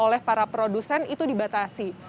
oleh para produsen itu dibatasi